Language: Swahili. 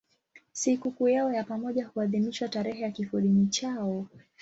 Sikukuu yao ya pamoja huadhimishwa tarehe ya kifodini chao.